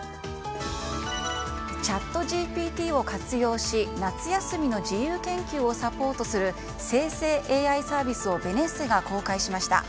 ＣｈａｔＧＰＴを活用し夏休みの自由研究をサポートする生成ＡＩサービスをベネッセが公開しました。